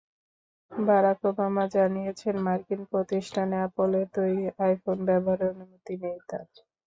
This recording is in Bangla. বারাক ওবামা জানিয়েছেন, মার্কিন প্রতিষ্ঠান অ্যাপলের তৈরি আইফোন ব্যবহারের অনুমতি নেই তাঁর।